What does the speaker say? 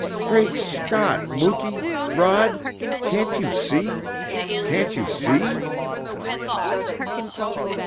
Great Scott, Muky Rod can't you see? Can't you see?"